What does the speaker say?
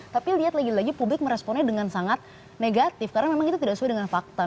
tapi lihat lagi lagi publik meresponnya dengan sangat negatif karena memang itu tidak sesuai dengan fakta